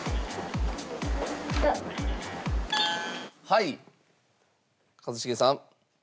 はい一茂さん。